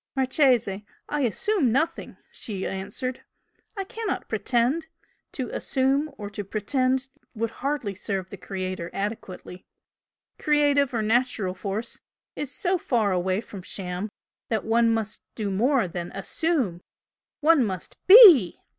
"Marchese, I 'assume' nothing!" she answered "I cannot 'pretend'! To 'assume' or to 'pretend' would hardly serve the Creator adequately. Creative or Natural Force is so far away from sham that one must do more than 'assume' one must BE!"